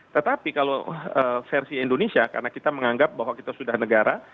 tetapi kalau versi indonesia karena kita menganggap bahwa kita sudah negara